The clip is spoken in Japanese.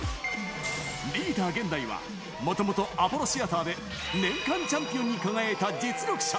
リーダー、ＧＥＮＤＡＩは、もともとアポロシアターで年間チャンピオンに輝いた実力者。